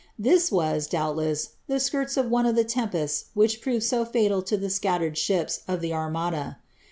This was, doubtless, the skirts of one of the tempests which proved so fatal to the scattered ships of the Ar mada.